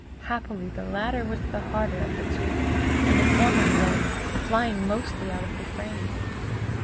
Happily the latter was the harder of the two, and the former broke, flying mostly out of the frame.